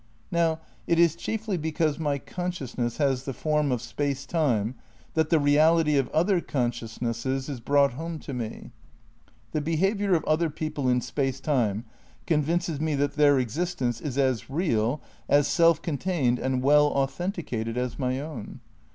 Now, it is chiefly because my consciousness has the form of space time that the reality of other conscious nesses is brought home to me. The behaviour of other people in space time convinces me that their existence is as real, as self contained and well authenticated as my own.